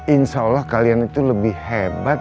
insya allah kalian itu lebih hebat